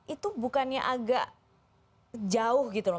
itu bukannya agak jauh gitu loh